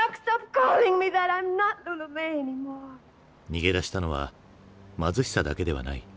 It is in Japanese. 逃げ出したのは貧しさだけではない。